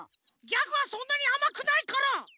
ギャグはそんなにあまくないから！